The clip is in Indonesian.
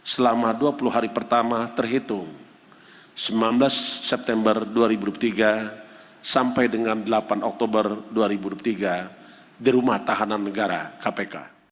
selama dua puluh hari pertama terhitung sembilan belas september dua ribu dua puluh tiga sampai dengan delapan oktober dua ribu dua puluh tiga di rumah tahanan negara kpk